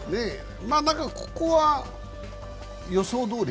ここは予想どおり？